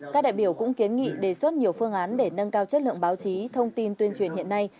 các đại biểu cũng kiến nghị đề xuất nhiều phương án để nâng cao chất lượng báo chí thông tin tuyên truyền hiện nay